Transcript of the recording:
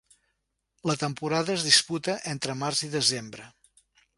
La temporada es disputa entre març i desembre.